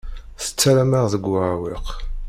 Tettarram-aɣ deg uɛewwiq.